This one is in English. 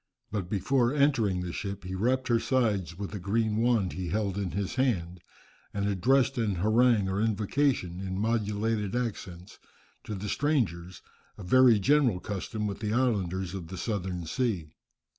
But before entering the ship he rapped her sides with a green wand he held in his hand, and addressed an harangue or invocation in modulated accents, to the strangers, a very general custom with the islanders of the southern sea.